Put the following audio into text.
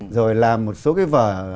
rồi là một số cái vở